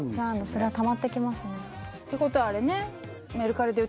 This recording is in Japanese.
それはたまっていきますねってことはあれね